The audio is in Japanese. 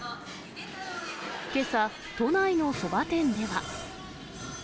けさ、都内のそば店では。